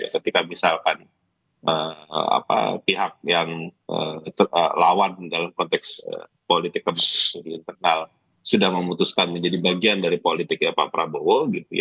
ketika misalkan pihak yang lawan dalam konteks politik internal sudah memutuskan menjadi bagian dari politik ya pak prabowo